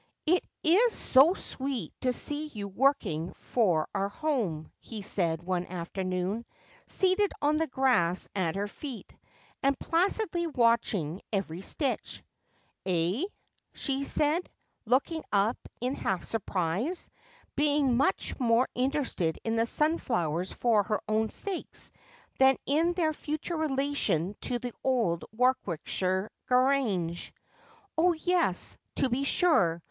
' It is so sweet to see you working for our home,' he said one afternoon, seated on the grass at her feet, and placidly watching every stitch. ' Eh ?' she said, looking up in half surprise, being much more interested in the sunflowers for their own sakes than in their future relation to the old Warwickshire Grange. ' Oh yes, to be sure.